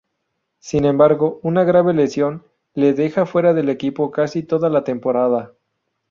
Sin embargo una grave lesión le deja fuera del equipo casi toda la temporada.